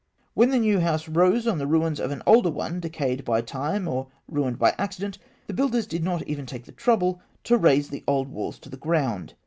When the new house rose on the ruins of an older one decayed by time or ruined by accident, the builders did not even take the trouble to raze the old walls to the ground.